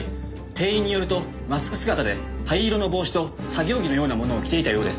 店員によるとマスク姿で灰色の帽子と作業着のようなものを着ていたようです。